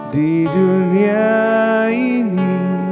di dunia ini